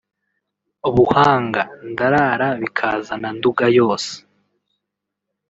Buhanga –Ndara bikazana Nduga yose